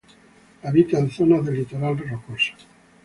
Habita en zonas de litoral rocoso.